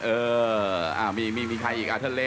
เออมีใครอีกอ่ะทะเล